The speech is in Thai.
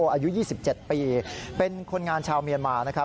อายุ๒๗ปีเป็นคนงานชาวเมียนมา